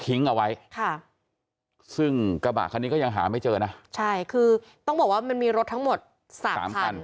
เอาไว้ค่ะซึ่งกระบะคันนี้ก็ยังหาไม่เจอนะใช่คือต้องบอกว่ามันมีรถทั้งหมดสามสามคัน